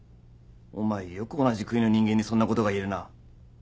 お前よく同じ国の人間にそんなことが言えるな。